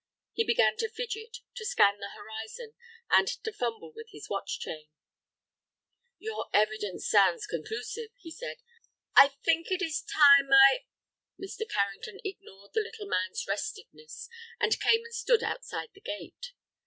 He began to fidget, to scan the horizon, and to fumble with his watch chain. "Your evidence sounds conclusive," he said; "I think it is time I—" Mr. Carrington ignored the little man's restiveness, and came and stood outside the gate.